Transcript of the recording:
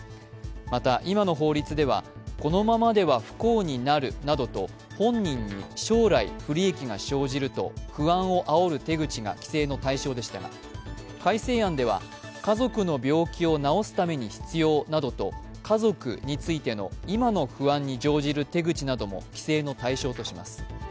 また今の法律ではこのままでは不幸になるなどと本人に将来、不利益が生じると不安をあおる手口が規制の対象でしたが改正案では家族の病気を治すために必要などと家族についての今の不安に乗じる手口なども規制の対象とします。